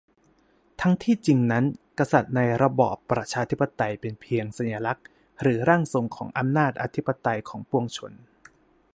ทั้งที่จริงนั้นกษัตริย์ในระบอบประชาธิปไตยเป็นเพียงสัญลักษณ์หรือ "ร่างทรง" ของอำนาจอธิปไตยของปวงชน